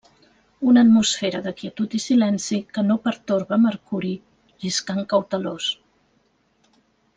Una atmosfera de quietud i silenci que no pertorba Mercuri, lliscant cautelós.